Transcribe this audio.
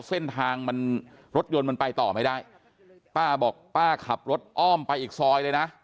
เส้นทางมันรถยนต์มันไปต่อไม่ได้ป้าบอกป้าขับรถอ้อมไปอีกซอยเลยนะ